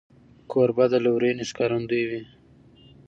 کوربه د لورینې ښکارندوی وي.